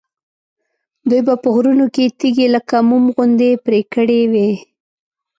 دوی به په غرونو کې تیږې لکه موم غوندې پرې کړې وي.